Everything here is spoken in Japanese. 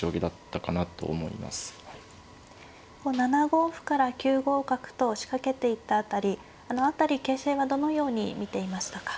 ７五歩から９五角と仕掛けていった辺りあの辺り形勢はどのように見ていましたか。